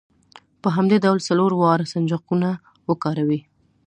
په همدې ډول څلور واړه سنجاقونه وکاروئ.